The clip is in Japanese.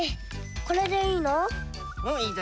これでいいの？